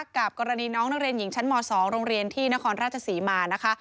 กับกรณีน้องนักเรียนหญิงชั้นม๒โรงเรียนที่นครราชศรีมานะคะ